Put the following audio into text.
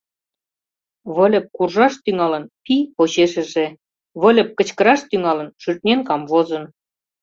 Выльып куржаш тӱҥалын, пий — почешыже; Выльып кычкыраш тӱҥалын, шӱртнен камвозын.